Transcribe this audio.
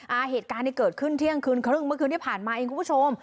อ่าเหตุการณ์ที่เกิดขึ้นเที่ยงคืนครึ่งเมื่อคืนที่ผ่านมาเองคุณผู้ชม